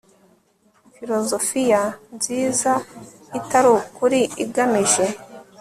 Filozofiya nziza itari ukuri igamije